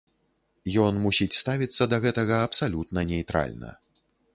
Ён мусіць ставіцца да гэтага абсалютна нейтральна.